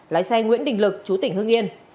lái xe nguyễn đình lực chú tỉnh hưng yên